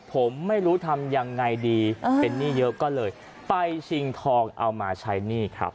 ผมไม่รู้ทำยังไงดีเป็นหนี้เยอะก็เลยไปชิงทองเอามาใช้หนี้ครับ